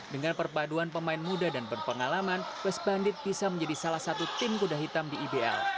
dengan perpaduan pemain muda dan berpengalaman west bandit bisa menjadi salah satu tim kuda hitam di ibl